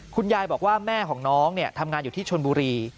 คุณยายบอกว่าแม่ของน้องทำงานอยู่ที่ชนบุรี